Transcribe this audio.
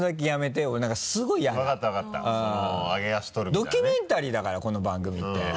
ドキュメンタリーだからこの番組って。